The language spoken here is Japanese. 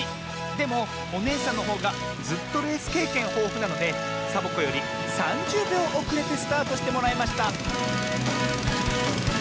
でもおねえさんのほうがずっとレースけいけんほうふなのでサボ子より３０びょうおくれてスタートしてもらいました